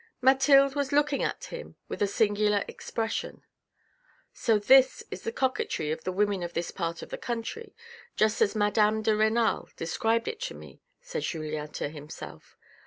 Mathilde was looking at him with a singular expression. " So this is the coquetry of the women of this part of the country, just as madame de Renal described it to me," said Julien to himself.